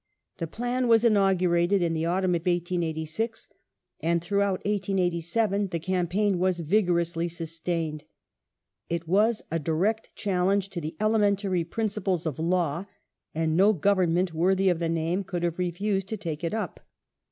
The " plan " was inaugurated in the autumn of 1886, and throughout 1887 the campaign was vigorously sus tained. It was a direct challenge to the elementary principles of law, and no Government worthy of the name could have refused to take it up.